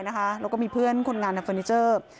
แล้วก็มีเพื่อนคนงานในเฟอร์นิเจอร์